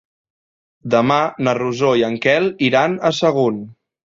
Demà na Rosó i en Quel iran a Sagunt.